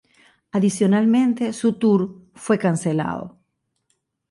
Adicionalmente, su tour fue cancelado.